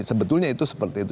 sebetulnya itu seperti itu